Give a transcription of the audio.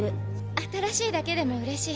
新しいだけでもうれしい。